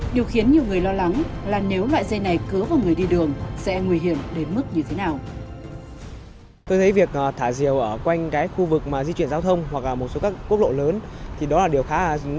điều khiến nhiều người lo lắng là nếu loại dây này cứa vào người đi đường